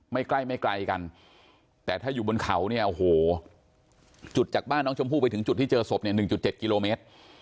ใกล้ไม่ไกลกันแต่ถ้าอยู่บนเขาเนี่ยโอ้โหจุดจากบ้านน้องชมพู่ไปถึงจุดที่เจอศพเนี่ย๑๗กิโลเมตร